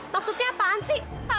maksudnya apaan sih